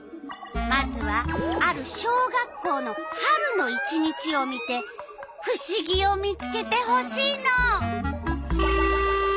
まずはある小学校の春の１日を見てふしぎを見つけてほしいの。